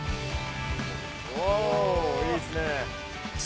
おいいですね。